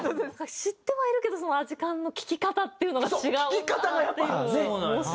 知ってはいるけどアジカンの聴き方っていうのが違うんだなっていう。